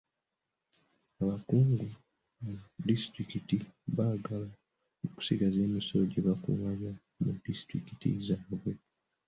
Abakungu mu disitulikii baagala okusigaza emisolo gye baakungaanya mu disitulikiti zaabwe.